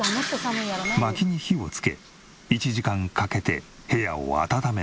薪に火をつけ１時間かけて部屋を暖める。